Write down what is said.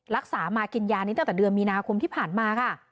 รักษามากินยานี้ตั้งแต่เดือนมีนาคมที่ผ่านมาค่ะ